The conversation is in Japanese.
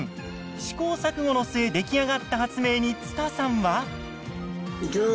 試行錯誤の末出来上がった発明につたさんは。